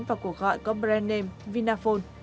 và cuộc gọi có brand name vinaphone